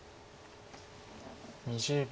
２０秒。